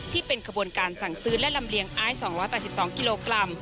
ที่เป็นขบวนการสั่งซื้อและลำเลียงไอซ์๒๘๒กิโลกรัม